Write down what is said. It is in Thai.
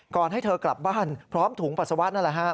ให้เธอกลับบ้านพร้อมถุงปัสสาวะนั่นแหละฮะ